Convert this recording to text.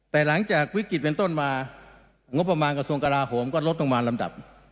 แต่หลังจากวิกฤตเป็นต้นมางบประมาณกระทรวงกราโหมก็ลดลงมาลำดับ